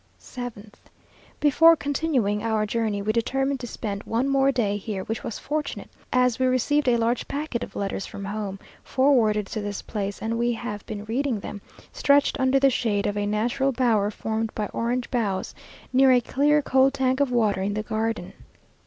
7th. Before continuing our journey, we determined to spend one more day here, which was fortunate, as we received a large packet of letters from home, forwarded to this place, and we have been reading them, stretched under the shade of a natural bower formed by orange boughs, near a clear, cold tank of water in the garden.